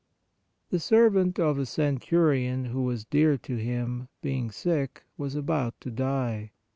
The servant of a centurion who was dear to him, being sick, was about to die.